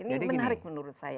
ini menarik menurut saya